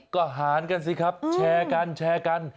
ก็หารกันสิครับแชร์กันแชร์กัน